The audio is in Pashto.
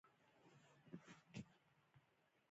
خپل ټولګیوال دې هغه ولیکي او بیا سم یې کړي.